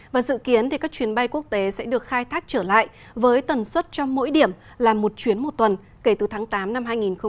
và dự kiến các chuyến bay quốc tế sẽ được khai thác trở lại với tần suất trong mỗi điểm là một chuyến một tuần kể từ tháng tám năm hai nghìn hai mươi